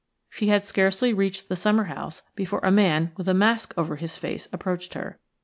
She had scarcely reached the summer house before a man with a mask over his face approached her.